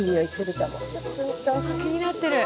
気になってる。